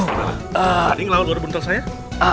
hani ngelawan buah buntel saya